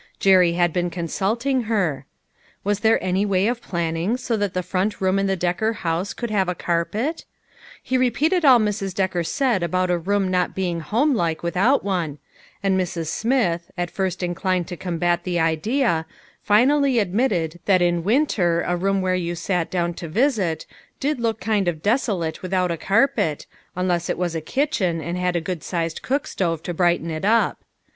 Jerry had been consulting her. Was there any way of planning BO that the front room in the Decker house could have a carpet ? He repeated all Mrs. Decker said .about a room not being home like without one, and Mrs. Smith, at first inclined to combat the idea, finally admitted that in winter a room where you sat down to visit, did look kind of desolate without a carpet, unless it was a kitchen, and had a good sized cook stove to brighten it up.